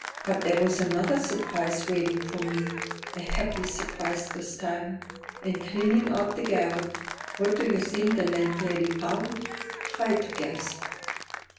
But there was another surprise waiting for me; a happy surprise this time. In cleaning out the garret, what do you think the landlady found? Try to guess."